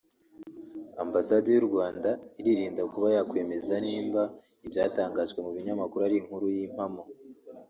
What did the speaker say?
Ambasade y’u Rwanda iririnda kuba yakwemeza nimba ibyatangajwe mu binyamakuru ari inkuru y’ impamo